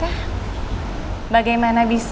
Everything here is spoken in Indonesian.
tapi asi abis